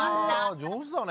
上手だね。